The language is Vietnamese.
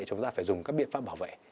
chúng ta phải dùng các biện pháp bảo vệ